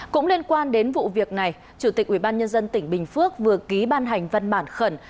cũng liên quan đến vụ việc này chủ tịch ubnd tỉnh bình phước vừa ký ban hành văn bản khẩn